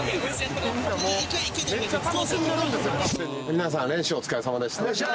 皆さん練習お疲れ様でした。